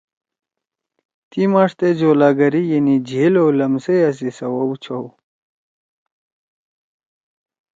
تی ماݜ تے جولاگری یعنی جھیل او لمسئیا سی سوَؤ چھؤ۔